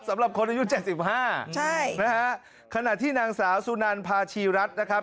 สำหรับคนอายุ๗๕นะฮะขณะที่นางสาวสุนันพาชีรัฐนะครับ